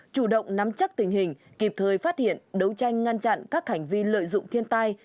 chủ động nắm chắc tình hình kịp thời phát hiện đấu tranh ngăn chặn các hành vi lợi dụng thiên tai